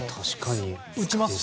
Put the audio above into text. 打ちますし。